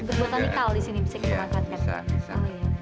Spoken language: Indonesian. oh untuk yang di sebelah sini ya nanti bisa